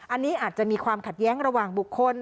อันนี้อาจจะมีความขัดแย้งระหว่างบุคคล